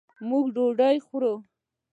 موږ ډوډۍ خورو